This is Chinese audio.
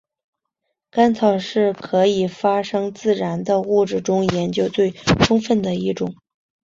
干草是可以发生自燃的物质中研究最充分的一种。